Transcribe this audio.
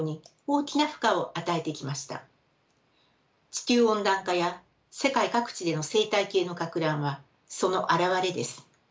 地球温暖化や世界各地での生態系のかく乱はその現れです。